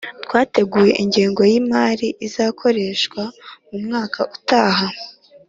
Twateguye ingengo y’imari izakoreshwa mu mwaka utaha